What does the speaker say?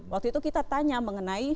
waktu itu kita tanya mengenai